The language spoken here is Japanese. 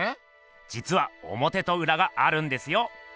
じつはおもてとうらがあるんですよ。